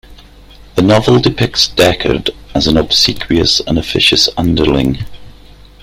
The novel depicts Deckard as an obsequious and officious underling.